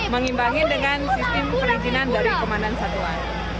mengimbangi dengan sistem perizinan dari komandan satuan